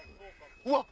うわっ！